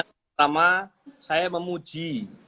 pertama saya memuji